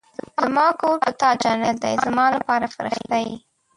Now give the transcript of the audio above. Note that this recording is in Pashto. زما کور په تا جنت دی ، زما لپاره فرښته ېې